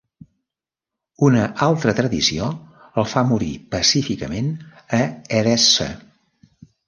Una altra tradició el fa morir pacíficament a Edessa.